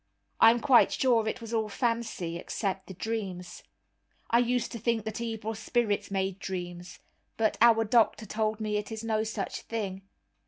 I am quite sure it was all fancy, except the dreams. I used to think that evil spirits made dreams, but our doctor told me it is no such thing.